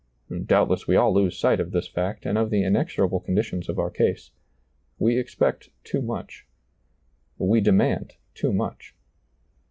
Doubtless we all lose sight of this fact and of the inexorable conditions of our case. We expect too much. We demand too much.